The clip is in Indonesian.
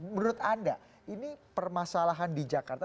menurut anda ini permasalahan di jakarta